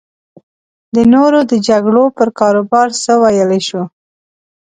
د نورو د جګړو پر کاروبار څه ویلی شو.